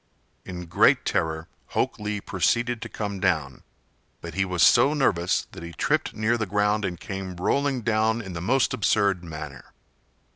In great terror Hok Lee proceeded to come down; but he was so nervous that he tripped near the ground and came rolling down in the most absurd manner.